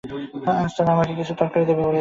আজ তারা আমাকে কিছু তরকারি দেবে বলেছে।